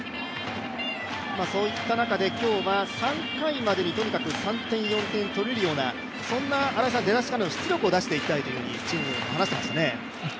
そういった中で今日は３回までにとにかく３点、４点取れるようなそんな出だしから出力を出していきたいとチームも話していましたね。